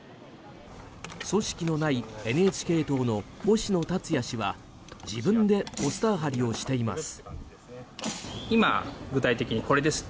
組織のないＮＨＫ党の星野達也氏は自分でポスター貼りをしています。